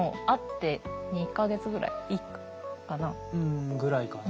んぐらいかな。